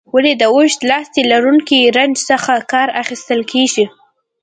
ولې د اوږد لاستي لرونکي رنچ څخه کار اخیستل کیږي؟